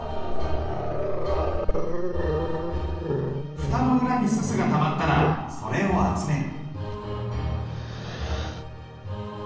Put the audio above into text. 蓋の裏に煤がたまったらそれを集める。